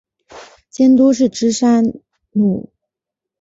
监督是芝山努。